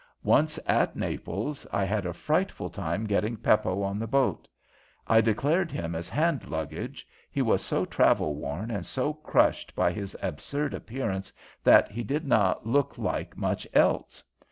Once at Naples, I had a frightful time getting Peppo on the boat. I declared him as hand luggage; he was so travel worn and so crushed by his absurd appearance that he did not look like much else.